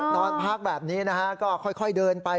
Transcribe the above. นอนพักแบบนี้นะฮะก็ค่อยเดินไป